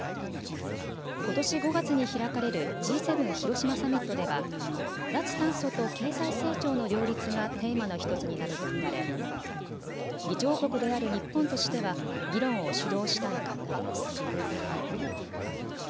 ことし５月に開かれるＧ７広島サミットでは脱炭素と経済成長の両立がテーマの１つになると見られ、議長国である日本としては議論を主導したい考えです。